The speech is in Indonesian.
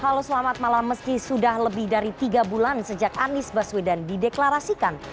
halo selamat malam meski sudah lebih dari tiga bulan sejak anies baswedan dideklarasikan